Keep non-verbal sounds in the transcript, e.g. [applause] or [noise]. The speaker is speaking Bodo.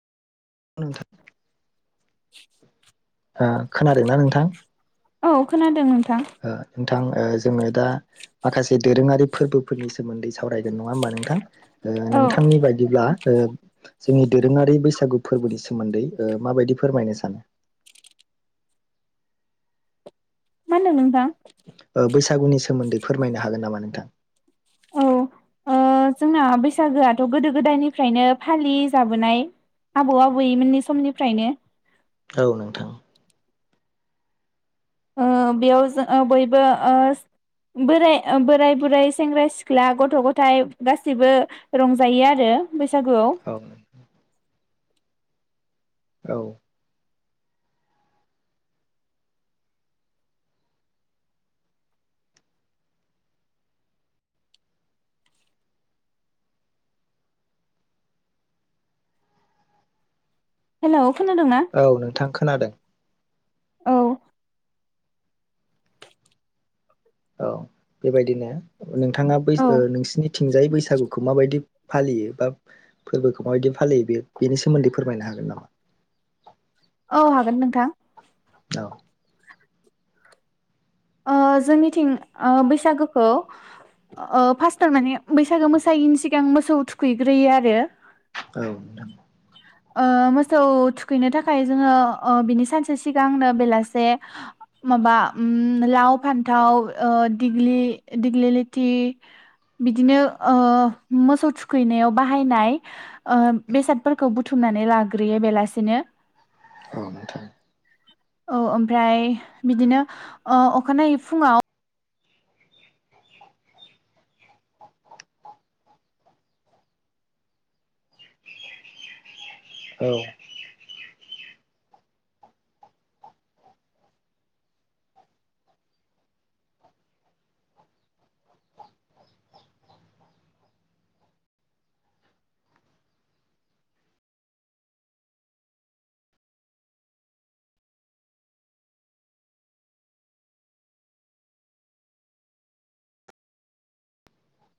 नोंथां ओ खोनादोंना नोंथां? औ खोनादोंमोन नों ओ [unintelligible] थां जोंङो दा माखासे दोरोंङारि फोरबोफोरनि सोमोन्दै सावरायगोन नंङा होमबा नोंथां? ओ औ नोंथांनि बायदिब्ला ओ जोंनि दोरोंङारि बैसागु फोरबोनि सोमोन्दै ओ माबायदि फोरमायनो सानो? [inaudible] मान होनदों नोंथां? ओ बैसागुनि सोमोन्दै फोरमायनो हागोन नामा नोंथां? औ ओ जोंना बैसागोआथ गोदो गोदायनिफ्रायनो फालि जाबोनाय आबौ आबैमोननि समनिफ्रायनो औ नोंथां ओ बेयाव जो ओ बयबो ओ बोराइ ओ बोराय, बुराय, सेंग्रा, सिख्ला, गथ'-गथायाइ गासैबो रंजायो आरो बैसागोआव औ औ हेलौ खोनादोंना औ नोंथां खोनादों औ औ बेबायदिनो नोंथांङा बै औ नोंसिरनि थिंजाय बैसागुखौ माबायदि फालियो बा फोरबोखौ माबायदि फालियो बे बेनि सोमोन्दै फोरमायनो हागोन नामा औ हागोन नोंथां औ ओ जोंनिथिं ओ बैसागोखौ ओ फास्टार माने बैसागो मोसायैनि सिगां मोसौ थुखैग्रोयो आरो औ नोंथां ओ मोसौ थुखैनो थाखाय जोंङो ओ बिनि सानसे सिगांनो बेलासे माबा ओम लाव फान्थाव ओ दिग्लि दिग्लिलिथि बिदिनो ओ मोसौ थुखैनायाव बाहायनाय ओ बेसादफोरखौ बुथुमो नानै लाग्रोयो बेलासेनो औ नोंथां औ ओमफ्राय बिदिनो ओ अखानायै फुंङाव औ